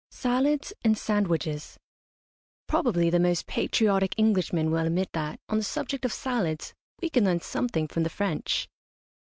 SALADS AND SANDWICHES. Probably the most patriotic Englishman will admit that, on the subject of salads, we can learn something from the French.